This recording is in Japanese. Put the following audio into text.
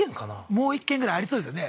もう一軒ぐらいありそうですよね